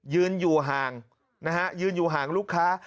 ยืนอยู่ห่างนะฮะยืนอยู่ห่างลูกค้า